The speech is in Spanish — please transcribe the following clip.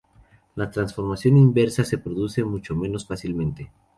La transformación inversa se produce mucho menos fácilmente.